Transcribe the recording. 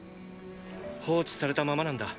放置されたままなんだ。